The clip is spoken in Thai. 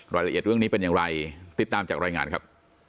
รายละเอียดเรื่องนี้เป็นอย่างไรติดตามจากรายงานครับ